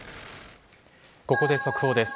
ここで速報です。